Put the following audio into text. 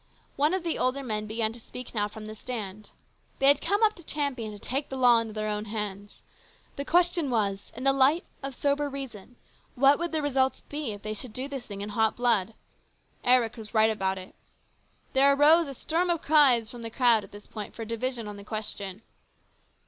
One of the older men began to speak now from the stand. They had come up to Champion to take the law into their own hands. The question was, in the light of sober reason, what would the results be if they should do this thing in hot blood ? Eric was right about it. There arose a storm of cries from the crowd at this point for a division on the question.